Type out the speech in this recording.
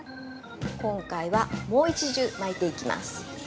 今回は、もう一重巻いていきます。